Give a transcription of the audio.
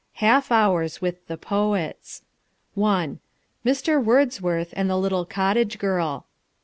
Half hours with the Poets I. MR. WORDSWORTH AND THE LITTLE COTTAGE GIRL.